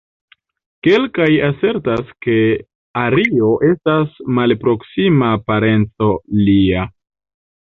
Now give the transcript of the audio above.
Kelkaj asertas, ke Ario estas malproksima parenco lia.